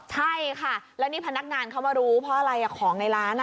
ใช่ค่ะแล้วนี่พนักงานเขามารู้เพราะอะไรของในร้าน